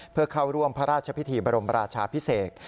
เพื่อเข้าร่วมพระราชพิธีบรมราชาพิเศษ